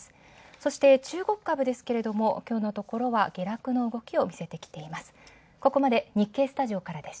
そして中国株ですが今日のところは下落の動きを見せてきています。